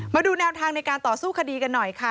มาดูแนวทางในการต่อสู้คดีกันหน่อยค่ะ